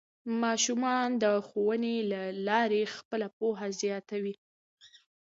ماشومان د ښوونې له لارې خپله پوهه زیاتوي